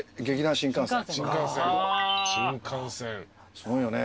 すごいよね